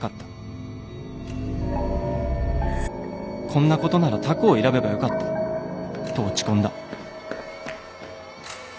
こんなことなら他校を選べばよかったと落ち込んだ」。